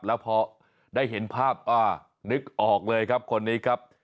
แล้วพอได้เห็นภาพนึกออกเลยครับคนนี้ครับ